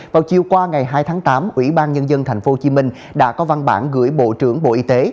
vào chiều qua ngày hai tháng tám ủy ban nhân dân tp hcm đã có văn bản gửi bộ trưởng bộ y tế